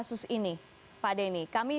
karena bagaimana masyarakat ini mengejar kasus ini